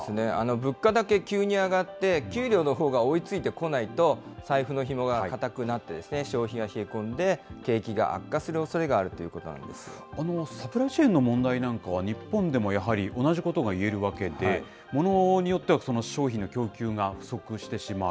物価だけ急に上がって、給料のほうが追いついてこないと、財布のひもが堅くなって、消費が冷え込んで、景気が悪化するおそサプライチェーンの問題なんかは、日本でもやはり同じことが言えるわけで、物によっては商品の供給が不足してしまう。